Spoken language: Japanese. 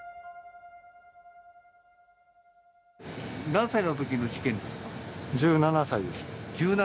何歳のときの事件ですか？